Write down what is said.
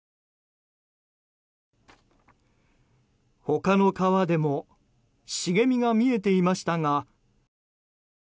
他の川でも茂みが見えていましたが。